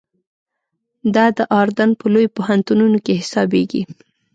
دا د اردن په لویو پوهنتونو کې حسابېږي.